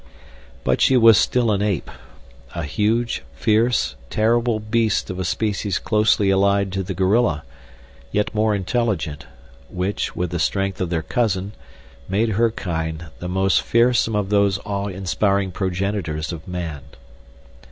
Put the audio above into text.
But she was still an ape, a huge, fierce, terrible beast of a species closely allied to the gorilla, yet more intelligent; which, with the strength of their cousin, made her kind the most fearsome of those awe inspiring progenitors of man.